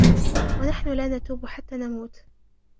وَنَحْنُ لَا نَتُوبُ حَتَّى نَمُوتَ